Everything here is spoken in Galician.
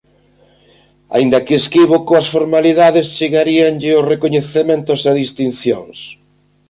Aínda que esquivo coas formalidades chegaríanlle os recoñecementos e distincións.